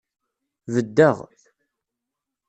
Beddeɣ.